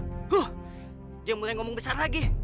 aduh dia mulai ngomong besar lagi